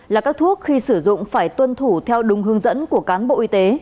là các thuốc khi sử dụng phải tuân thủ theo đúng hướng dẫn của cán bộ y tế